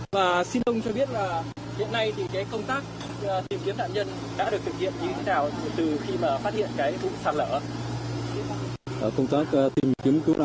và xin ông cho biết là hiện nay thì cái công tác tìm kiếm nạn nhân đã được thực hiện như thế nào kể từ khi mà phát hiện cái vụ sạt lở